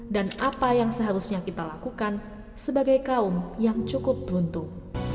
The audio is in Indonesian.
apa yang seharusnya kita lakukan sebagai kaum yang cukup beruntung